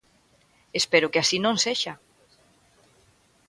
Espero que así non sexa.